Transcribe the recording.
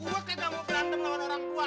gue kaya jangan berantem lawan orang tua